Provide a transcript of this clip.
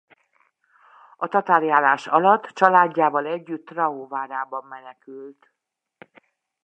A tatárjárás alatt családjával együtt Trau várába menekült.